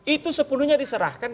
itu sepenuhnya diserahkan